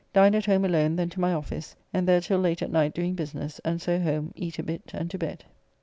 Dined at home alone, then to my office, and there till late at night doing business, and so home, eat a bit, and to bed.